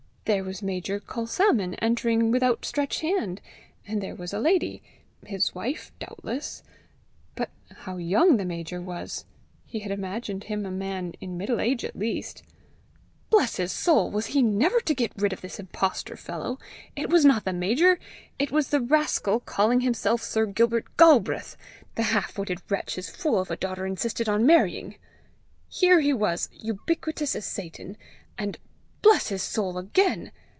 There was Major Culsalmon entering with outstretched hand! and there was a lady his wife doubtless! But how young the major was! he had imagined him a man in middle age at least! Bless his soul! was he never to get rid of this impostor fellow! it was not the major! it was the rascal calling himself Sir Gilbert Galbraith! the half witted wretch his fool of a daughter insisted on marrying! Here he was, ubiquitous as Satan! And bless his soul again!